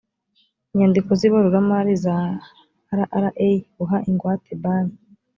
inyandiko z ibaruramari za rra buha ingwate banki